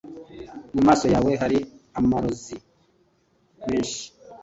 mu maso yawe hari amarozi menshi.